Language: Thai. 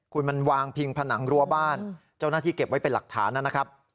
คุณมันวางพิงผนังรั้วบ้านเจ้าหน้าที่เก็บไว้เป็นหลักฐานนะครับ